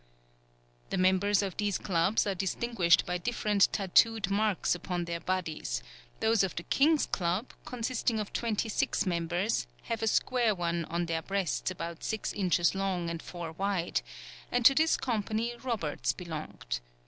"The members of these clubs are distinguished by different tattooed marks upon their bodies; those of the king's club, consisting of twenty six members, have a square one on their breasts about six inches long and four wide, and to this company Roberts belonged.